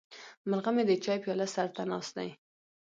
مرغه مې د چای پیاله سر ته ناست دی.